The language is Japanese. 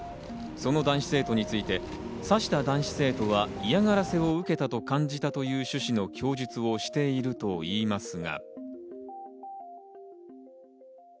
その男子生徒について刺した男子生徒は嫌がらせを受けたと感じたという趣旨の供述をしているといいますが。